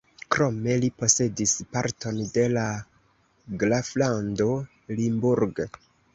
Krome li posedi parton de la graflando Limburg.